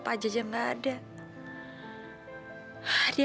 babi udah mati